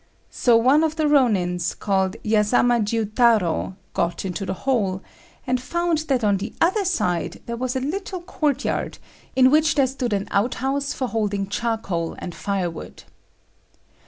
So one of the Rônins, called Yazama Jiutarô, got into the hole, and found that on the other side there was a little courtyard, in which there stood an outhouse for holding charcoal and firewood.